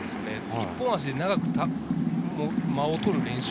一本足で長く間を取る練習。